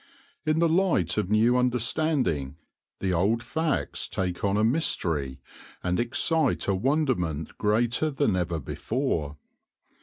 In the light of new understanding the old facts take on a mystery and excite a wonderment greater than ever before.